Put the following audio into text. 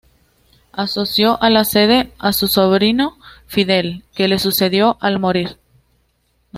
Asoció a la Sede a su sobrino Fidel, que le sucedió al morir.